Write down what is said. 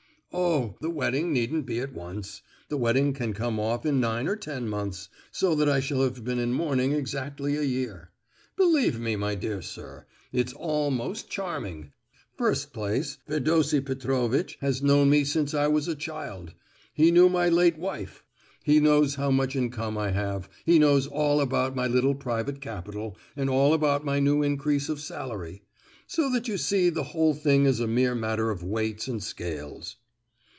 "Oh! the wedding needn't be at once. The wedding can come off in nine or ten months, so that I shall have been in mourning exactly a year. Believe me, my dear sir, it's all most charming—first place, Fedosie Petrovitch has known me since I was a child; he knew my late wife; he knows how much income I have; he knows all about my little private capital, and all about my new increase of salary. So that you see the whole thing is a mere matter of weights and scales."